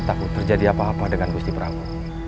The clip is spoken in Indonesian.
takut terjadi apa apa dengan gusti bram